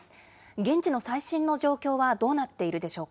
現地の最新の状況はどうなっているでしょうか。